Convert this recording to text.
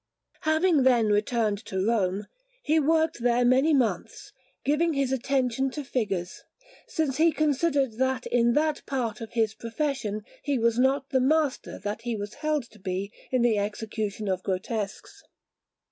Having then returned to Rome, he worked there many months, giving his attention to figures, since he considered that in that part of his profession he was not the master that he was held to be in the execution of grotesques.